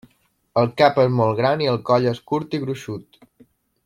El cap és molt gran i el coll és curt i gruixut.